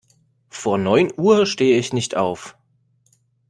Vor neun Uhr stehe ich nicht auf.